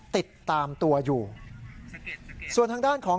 ติดตามตัวอยู่ส่วนทางด้านของ